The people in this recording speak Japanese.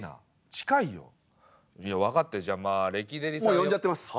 もう呼んじゃってます。